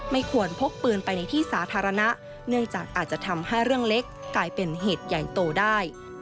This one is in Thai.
ไม่ควรพกปืนไปในที่สาธารณะเนื่องจากอาจจะทำให้เรื่องเล็กกลายเป็นเหตุใหญ่โตได้